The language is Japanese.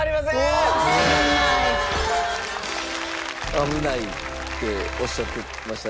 「危ない」っておっしゃってましたね